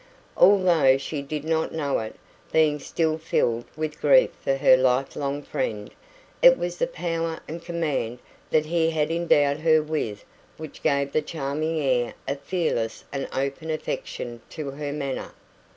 Although she did not know it, being still filled with grief for her lifelong friend, it was the power and command that he had endowed her with which gave that charming air of fearless and open affection to her manner.